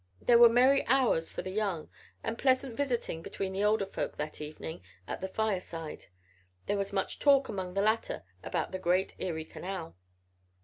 There were merry hours for the young, and pleasant visiting between the older folk that evening at the fireside. There was much talk among the latter about the great Erie Canal.